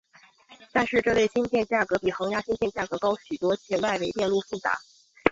但是这类芯片价格比恒压芯片价格高许多且外围电路复杂。